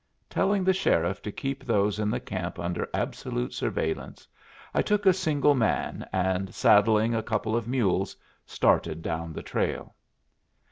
Telling the sheriff to keep those in the camp under absolute surveillance, I took a single man, and saddling a couple of mules, started down the trail.